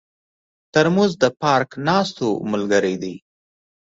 ترموز د پارک ناستو ملګری دی.